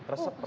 resep itu suka